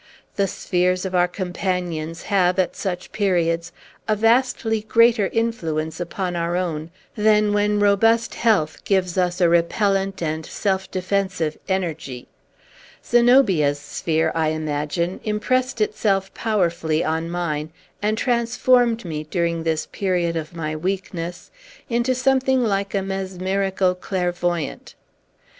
The spheres of our companions have, at such periods, a vastly greater influence upon our own than when robust health gives us a repellent and self defensive energy. Zenobia's sphere, I imagine, impressed itself powerfully on mine, and transformed me, during this period of my weakness, into something like a mesmerical clairvoyant.